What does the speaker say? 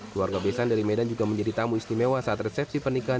keluarga besan dari medan juga menjadi tamu istimewa saat resepsi pernikahan